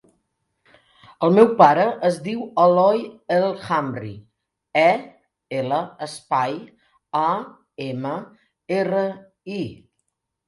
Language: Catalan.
El meu pare es diu Eloi El Amri: e, ela, espai, a, ema, erra, i.